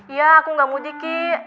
iya aku gak mudik ki